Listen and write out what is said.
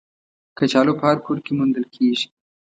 کچالو په هر کور کې موندل کېږي